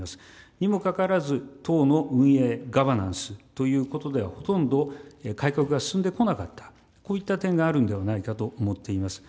にもかかわらず、党の運営、ガバナンスということでは、ほとんど改革が進んでこなかった、こういった点があるんではないかと思っています。